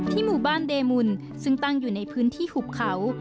หมู่บ้านเดมุนซึ่งตั้งอยู่ในพื้นที่หุบเขา